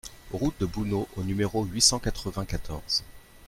Route de Bouneau au numéro huit cent quatre-vingt-quatorze